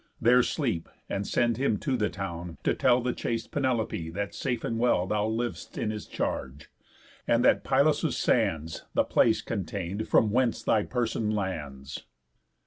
There sleep; and send him to the town, to tell The chaste Penelopé, that safe and well Thou liv'st in his charge, and that Pylos' sands The place contain'd from whence thy person lands."